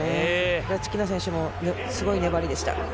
クラチキナ選手のすごい粘りでした。